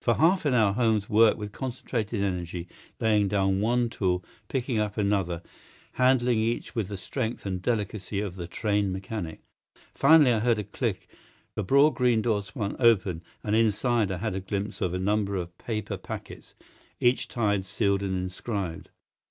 For half an hour Holmes worked with concentrated energy, laying down one tool, picking up another, handling each with the strength and delicacy of the trained mechanic. Finally I heard a click, the broad green door swung open, and inside I had a glimpse of a number of paper packets, each tied, sealed, and inscribed.